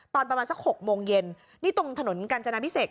ตอนประมาณสัก๖โมงเย็นนี่ตรงถนนกาญจนาพิเศษ